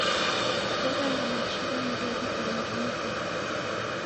Ogha na machi gha mbeo ngelo ra mruke.